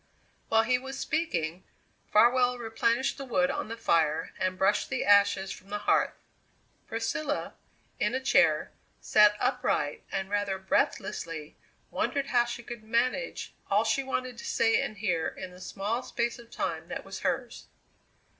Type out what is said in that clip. While he was speaking Farwell replenished the wood on the fire and brushed the ashes from the hearth. Priscilla, in a chair, sat upright and rather breathlessly wondered how she could manage all she wanted to say and hear in the small space of time that was hers.